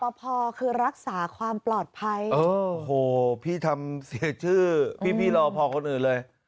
พอคือรักษาความปลอดภัยโอ้โหพี่ทำเสียชื่อพี่รอพอคนอื่นเลย